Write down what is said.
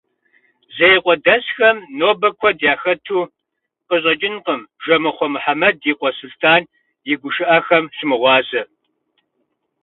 Зеикъуэдэсхэм нобэ куэд яхэту къыщӏэкӏынкъым Жэмыхъуэ Мухьэмэд и къуэ Сулътӏан и гушыӏэхэм щымыгъуазэ.